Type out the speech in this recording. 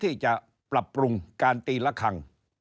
ที่จะปรับปรุงการตีละครั้ง